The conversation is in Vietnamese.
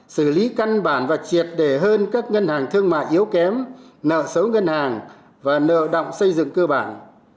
xử lý căn bản và triệt đề hơn các ngân hàng thương mại yếu kém nợ xấu ngân hàng và nợ động xây dựng cơ bản